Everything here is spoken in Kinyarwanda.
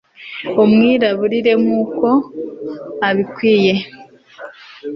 umwiraburire nk'uko abikwiye